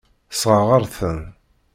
Tessṛeɣ-aɣ-ten.